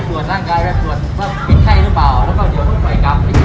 ตอนที่สุดมันกลายเป็นสิ่งที่ไม่มีความคิดว่า